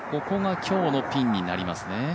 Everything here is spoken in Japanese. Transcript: ここが今日のピンになりますね。